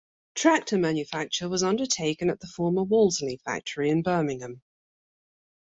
Tractor manufacture was undertaken at the former Wolseley factory in Birmingham.